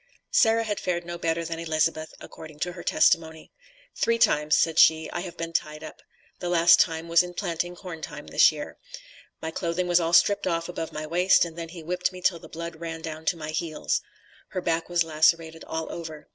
Sarah had fared no better than Elizabeth, according to her testimony. "Three times," said she, "I have been tied up; the last time was in planting corn time, this year. My clothing was all stripped off above my waist, and then he whipped me till the blood ran down to my heels." Her back was lacerated all over.